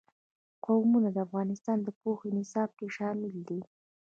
قومونه د افغانستان د پوهنې نصاب کې شامل دي.